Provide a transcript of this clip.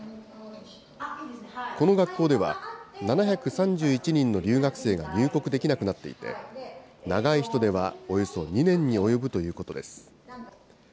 この学校では、７３１人の留学生が入国できなくなっていて、長い人ではおよそ２年におよぶということです。